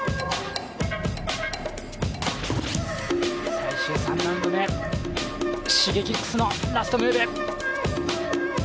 最終、３ラウンド目、Ｓｈｉｇｅｋｉｘのラストムーブ！